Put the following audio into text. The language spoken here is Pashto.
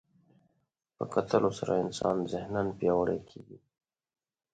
په کتلو سره انسان ذهناً پیاوړی کېږي